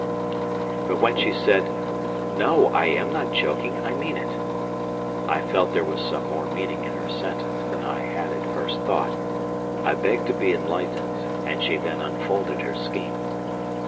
But when she said, "No! I am not joking, I mean it," I felt there was more meaning in her sentence than I had at first thought. I begged to be enlightened, and she then unfolded her scheme.